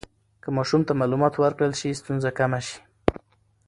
که ماشوم ته معلومات ورکړل شي، ستونزه کمه شي.